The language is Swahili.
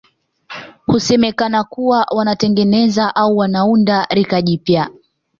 Husemekana kuwa wanatengeneza au wanaunda rika jipya